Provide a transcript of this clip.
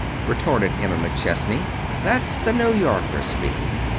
retorted Emma McChesney. "That's the New Yorker speaking.